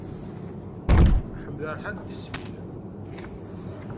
Ḥmed rḥant-t tismin.